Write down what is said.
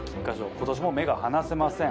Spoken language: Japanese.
今年も目が離せません